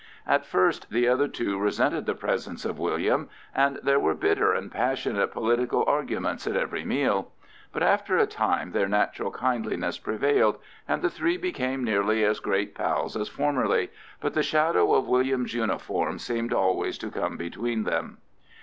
At first the other two resented the presence of William, and there were bitter and passionate political arguments at every meal; but after a time their natural kindliness prevailed, and the three became nearly as great pals as formerly, but the shadow of William's uniform seemed always to come between them.